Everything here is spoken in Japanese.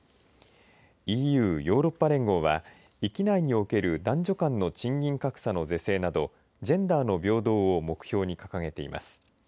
ＥＵ、ヨーロッパ連合は域内における男女間の賃金格差の是正などジェンダーの平等を目標に掲げています。